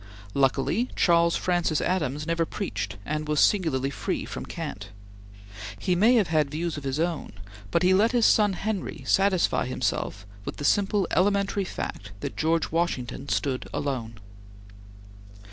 Luckily Charles Francis Adams never preached and was singularly free from cant. He may have had views of his own, but he let his son Henry satisfy himself with the simple elementary fact that George Washington stood alone.